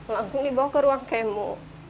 langsung dibawa ke ruang kemo